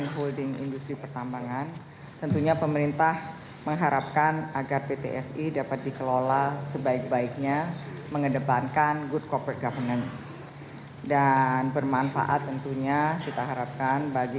kementerian keuangan telah melakukan upaya upaya